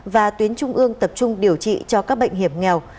và tuyến trung ương tập trung điều trị cho các bệnh hiểm nghèo